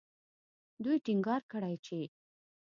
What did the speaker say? دوی ټینګار کړی چې